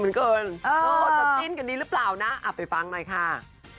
พวกเจินกันดีหรือเปล่านะเอาไปฟังหน่อยค่ะ